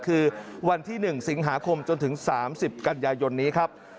คือวันที่๑สิงหาคมจนถึง๓๐กันยายนนี้ครับ